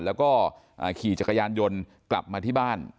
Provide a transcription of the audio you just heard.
แล้วก็ขี่จักรยานยนต์กลับมาที่บ้าน